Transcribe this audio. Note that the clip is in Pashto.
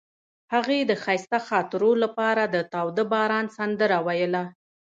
هغې د ښایسته خاطرو لپاره د تاوده باران سندره ویله.